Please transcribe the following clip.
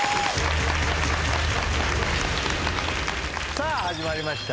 さあ始まりました